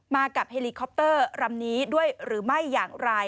มากับเฮลิคอปเตอร์ลำนี้ด้วยหรือไม่อย่างไร